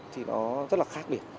thì nó rất là khác biệt